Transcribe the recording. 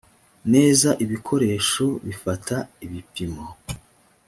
neza ibikoresho bifata ibipimo